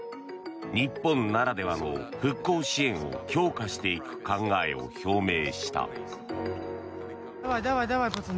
日本ならではの復興支援を強化していく考えを表明した。